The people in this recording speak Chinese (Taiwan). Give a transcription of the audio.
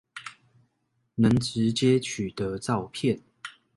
能直接取得照片